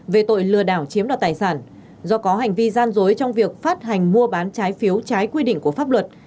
về tội lừa đảo chiếm đoạt tài sản do có hành vi gian dối trong việc phát hành mua bán trái phiếu trái quy định của pháp luật